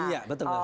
iya betul mas